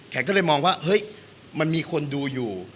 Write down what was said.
ก็เลยมองว่าเฮ้ยมันมีคนดูอยู่